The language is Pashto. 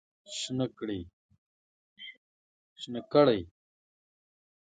شنه کړی